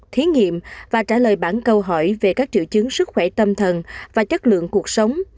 thí nghiệm và trả lời bản câu hỏi về các triệu chứng sức khỏe tâm thần và chất lượng cuộc sống